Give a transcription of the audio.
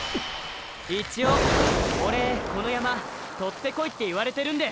一応オレこの山獲ってこいって言われてるんで。